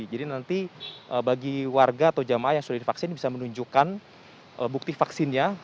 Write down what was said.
jadi nanti bagi warga atau jamaah yang sudah divaksin bisa menunjukkan bukti vaksinnya